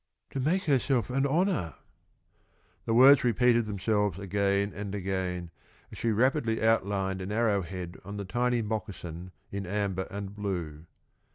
"To make herself an honor." The words repeated themselves again and again, as she rapidly outlined an arrow head on the tiny moccasin in amber and blue.